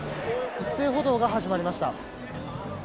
一斉補導が始まりました。